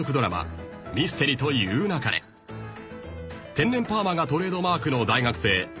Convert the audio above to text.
［天然パーマがトレードマークの］